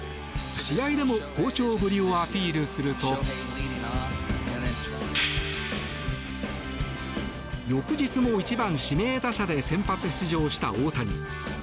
試合でも好調ぶりをアピールすると翌日も、１番指名打者で先発出場した大谷。